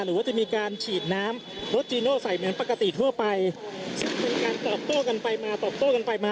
หรือว่าจะมีการฉีดน้ำรถจีโน่ใส่เหมือนปกติทั่วไปซึ่งเป็นการตอบโต้กันไปมาตอบโต้กันไปมา